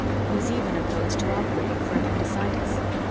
He's even opposed to operating for appendicitis."